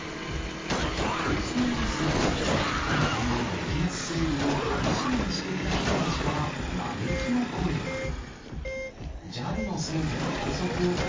ＳＮＳでは今回の激安セールを楽しみにしていた人たちから、ＪＡＬのせいで寝不足。